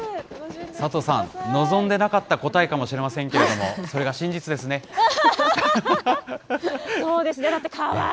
佐藤さん、望んでなかった答えかもしれませんけれども、それそうですね。